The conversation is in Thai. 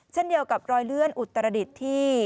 เช่นเดียวกับรอยเลื่อนอุตรดิษฐ์ที่